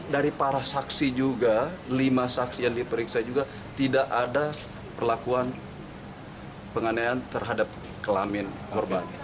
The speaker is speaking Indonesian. dari para saksi juga lima saksi yang diperiksa juga tidak ada perlakuan penganiayaan terhadap kelamin korban